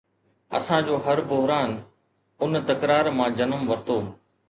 اسان جو هر بحران ان تڪرار مان جنم ورتو آهي.